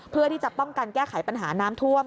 เพื่อที่จะป้องกันแก้ไขปัญหาน้ำท่วม